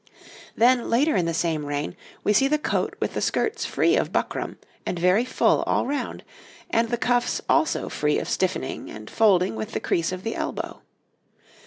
Then, later in the same reign, we see the coat with the skirts free of buckram and very full all round, and the cuffs also free of stiffening and folding with the crease of the elbow.